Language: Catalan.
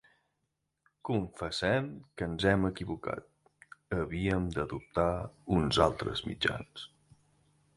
Confessem que ens hem equivocat: havíem d'adoptar uns altres mitjans.